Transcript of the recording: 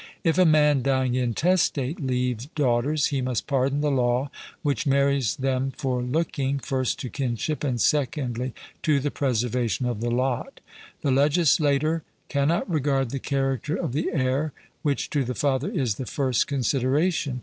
If a man dying intestate leave daughters, he must pardon the law which marries them for looking, first to kinship, and secondly to the preservation of the lot. The legislator cannot regard the character of the heir, which to the father is the first consideration.